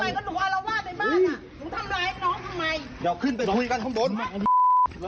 ก็หนูเอาละวาดในบ้านอ่ะหนูทำร้ายน้องทำไมเดี๋ยว